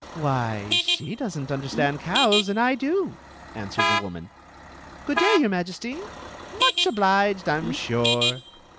"Why, she does n't understand cows, and I do," answered the woman. "Good day, your Majesty* Much obliged, I 'm sure!"